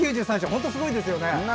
本当すごいですよね。